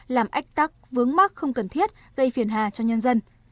làm ách tắc vướng mắc không cần thiết gây phiền hà cho nhân dân